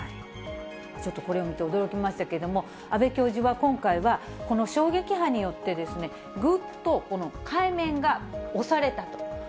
ちょっとこれを見て驚きましたけれども、阿部教授は、今回はこの衝撃波によってですね、ぐっと海面が押されたと。